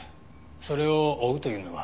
それを追うというのは。